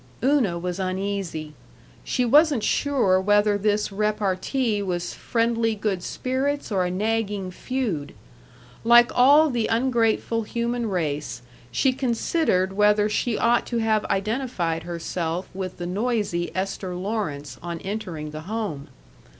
Una was uneasy. She wasn't sure whether this repartee was friendly good spirits or a nagging feud. Like all the ungrateful human race, she considered whether she ought to have identified herself with the noisy Esther Lawrence on entering the Home.